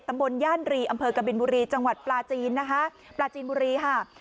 ตำบลย่านรีอำเภอกับบินบุรีจังหวัดปราจิบุรีค่ะ